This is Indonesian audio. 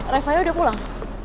rai faya udah pulang